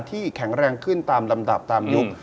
แข็งแรงขึ้นตามลำดับตามยุค